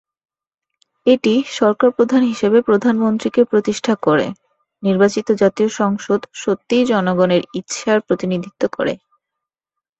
এটি সরকার প্রধান হিসাবে প্রধানমন্ত্রীকে প্রতিষ্ঠা করে; নির্বাচিত জাতীয় সংসদ সত্যই জনগণের ইচ্ছার প্রতিনিধিত্ব করে।